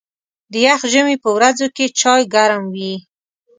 د یخ ژمي په ورځو کې چای ګرم وي.